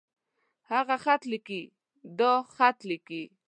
هغۀ خط ليکي. دا خط ليکي.